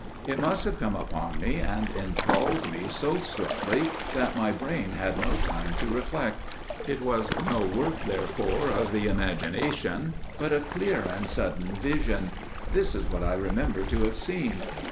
It must have come upon me and enthralled me so swiftly that my brain had no time to reflect. It was no work, therefore, of the imagination, but a clear and sudden vision. This is what I remember to have seen.